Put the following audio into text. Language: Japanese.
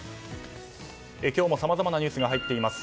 今日もさまざまなニュースが入っています。